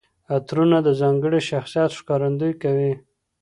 عطرونه د ځانګړي شخصیت ښکارندويي کوي.